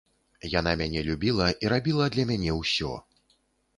Яна мяне любіла і рабіла для мяне ўсё.